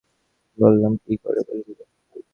আমি বললাম, কী করে বুঝলি?